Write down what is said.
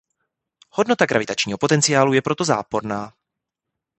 Hodnota gravitačního potenciálu je proto záporná.